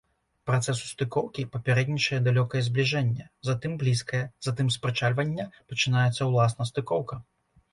Працэсу стыкоўкі папярэднічае далёкае збліжэнне, затым блізкае, затым з прычальвання пачынаецца ўласна стыкоўка.